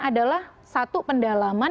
adalah satu pendalaman